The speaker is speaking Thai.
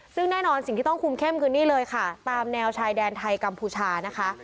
ซึ่งแน่นอนสิ่งที่ต้องคุมเข้มคือนี่เลยค่ะตามแนวชายแดนไทยกัมพูชานะคะ